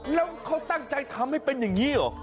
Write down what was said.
แล้วเขาตั้งใจทำให้เป็นอย่างนี้เหรอ